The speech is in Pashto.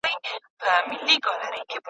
دغه کوچنی دونه ښکلی دی چي زړه ته رانږدې کېږي.